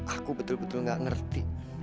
aku betul betul gak ngerti